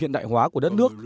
hiện đại hóa của đất nước